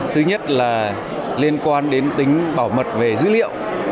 thứ nhất là liên quan đến tính bảo mật về dữ liệu